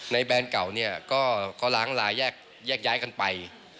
แบรนด์เก่าเนี่ยก็ล้างลายแยกย้ายกันไป